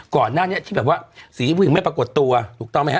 ก่อนนั้นเนี่ยที่แบบว่าศรีชื่อผิงไม่ปรากฏตัวถูกต้องไหมฮะ